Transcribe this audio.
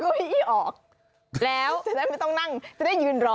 เอาโก๊ยอี๊อกจะได้ไม่ต้องนั่งจะได้ยืนรอ